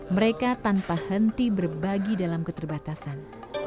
mereka tanpa henti berbagi dalam keterbatasan